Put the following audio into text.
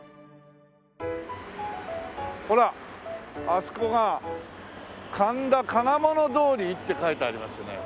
ほらあそこが「神田金物通り」って書いてありますね。